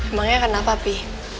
emangnya kenapa pi